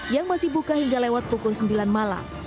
yang masih buka hingga lewat pukul sembilan malam